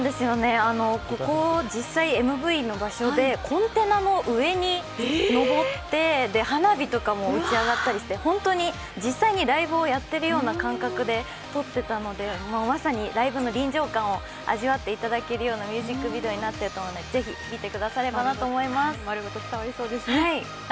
ここ実際ＭＶの場所でコンテナの上に登って花火とかも打ち上がったりとかして本当にライブでやっていたような感覚で撮っていたので、まさにライブの臨場感を味わっていただけるようなミュージックビデオになっていると思うのでぜひ見ていただければと思います。